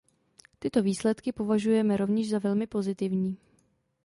Tyto výsledky považujeme rovněž za velmi pozitivní.